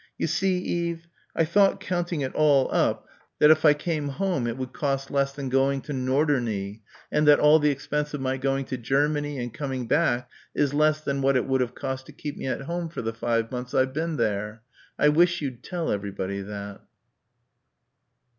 "You see, Eve, I thought counting it all up that if I came home it would cost less than going to Norderney and that all the expense of my going to Germany and coming back is less than what it would have cost to keep me at home for the five months I've been there I wish you'd tell everybody that."